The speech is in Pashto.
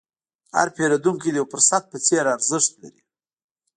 هر پیرودونکی د یو فرصت په څېر ارزښت لري.